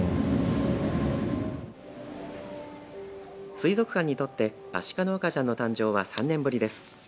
水族館にとってアシカの赤ちゃんの誕生は３年ぶりです。